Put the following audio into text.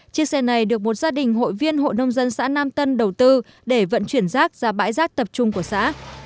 chiếc xe này được một gia đình hội viên hội nông dân xã nam tân đầu tư để vận chuyển rác ra bãi rác tập trung của xã